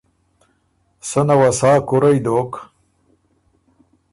سنه وه سا کُرئ دوک